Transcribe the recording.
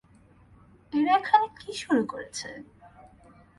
এরা এখানে কি শুরু করেছে?